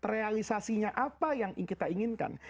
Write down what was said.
realisasinya apa yang kita inginkan